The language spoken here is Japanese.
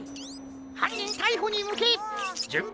はんにんたいほにむけじゅんび